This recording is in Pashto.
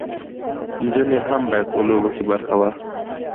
نجونې هم باید په لوبو کې برخه واخلي.